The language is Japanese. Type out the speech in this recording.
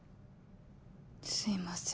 すいません。